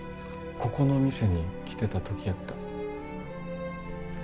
ここの店に来てた時やった。